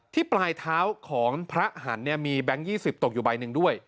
ปลายเท้าของพระหันต์มีแบงค์๒๐ตกอยู่ใบหนึ่งด้วย